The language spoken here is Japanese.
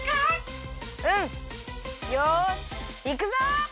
うん！よしいくぞ！